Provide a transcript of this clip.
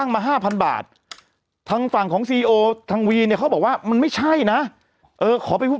มาห้าพันบาททางฝั่งของซีโอทางวีเนี่ยเขาบอกว่ามันไม่ใช่นะเออขอไปพูด